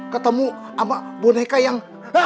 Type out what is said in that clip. ketemu ama boneka yang